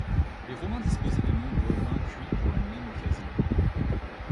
Les Romains disposaient de nombreux vins cuits pour la même occasion.